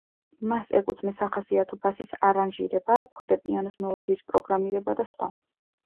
მას ეკუთვნის სახასიათო ბასის არანჟირება, ფორტეპიანოს მელოდიის პროგრამირება და სხვა.